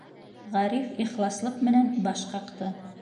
Ғариф ихласлыҡ менән баш ҡаҡты.